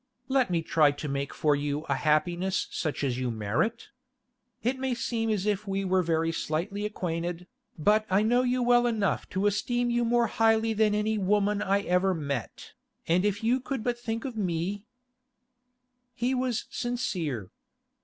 Let me try to make for you a happiness such as you merit. It may seem as if we were very slightly acquainted, but I know you well enough to esteem you more highly than any women I ever met, and if you could but think of me—' He was sincere.